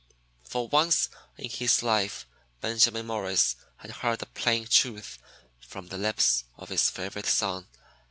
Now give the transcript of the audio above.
For once in his life Benjamin Morris had heard the plain truth from the lips of his favorite son.